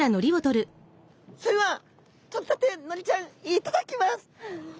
それではとれたてのりちゃん頂きます。